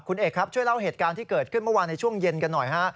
คุณเอกครับช่วยเล่าเหตุการณ์ที่เกิดขึ้นเมื่อวานในช่วงเย็นกันหน่อยฮะ